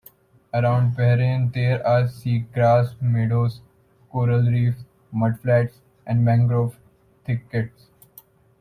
Around Bahrain there are seagrass meadows, coral reefs, mudflats and mangrove thickets.